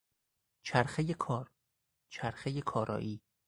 چرخهی کار، چرخهی کارایی